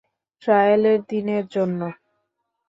ট্রায়ালের দিনের জন্য।